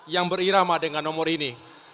yang berirama dengan nomor ini